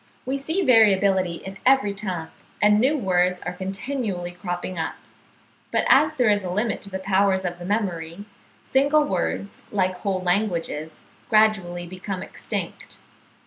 We see variability in every tongue, and new words are continually cropping up; but as there is a limit to the powers of the memory, single words, like whole languages, gradually become extinct.